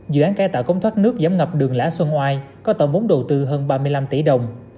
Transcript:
dự án cải tạo cống thoát nước giám ngập đường lã xuân oai có tổng vốn đầu tư hơn ba mươi năm tỷ đồng